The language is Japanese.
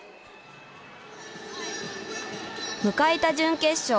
迎えた準決勝。